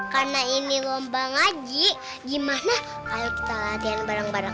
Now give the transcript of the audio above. karena ini lombang haji gimana kalau kita latihan bareng bareng